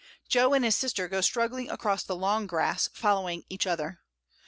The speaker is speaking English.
Jo and his sister go struggling across the long grass, following each other.